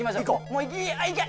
もう行け！